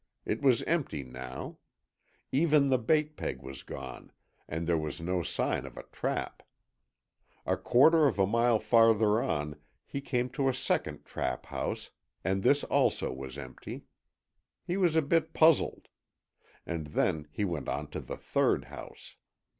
It was empty now. Even the bait peg was gone, and there was no sign of a trap. A quarter of a mile farther on he came to a second trap house, and this also was empty. He was a bit puzzled. And then he went on to the third house.